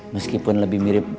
meskipun lebih mirip